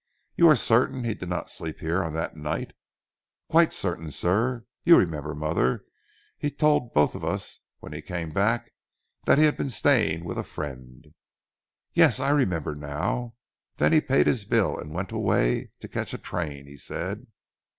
"You are certain he did not sleep here on that night." "Quite certain sir. You remember mother, he told both of us when he came back that he had been staying with a friend." "Yes! I remember now. Then he paid his bill and went away, to catch a train, he said."